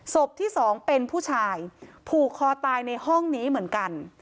ศพที่สองเป็นผู้ชายผูกคอตายในห้องนี้เหมือนกัน